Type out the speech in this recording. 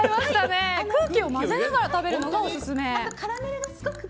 空気を混ぜながら食べるのがオススメだと。